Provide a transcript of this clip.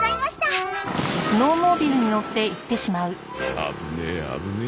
危ねえ危ねえ。